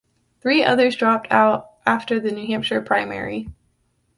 Three others dropped out after the New Hampshire primary.